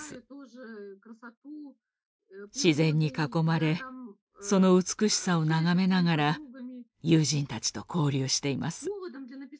自然に囲まれその美しさを眺めながら友人たちと交流しています。